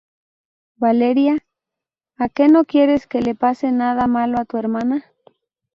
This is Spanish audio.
¿ Valeria? ¿ a que no quieres que le pase nada malo a tu hermana?